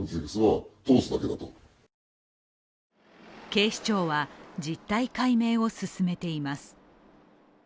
警視庁は実態解明を進めています。